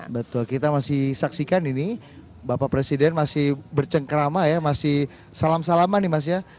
betul kita masih saksikan ini bapak presiden masih bercengkerama ya masih salam salaman nih mas ya